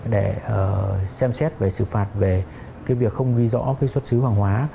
để xem xét về xử phạt về cái việc không ghi rõ cái xuất xứ hàng hóa